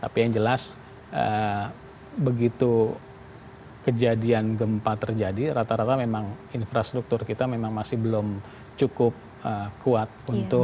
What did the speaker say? tapi yang jelas begitu kejadian gempa terjadi rata rata memang infrastruktur kita memang masih belum cukup kuat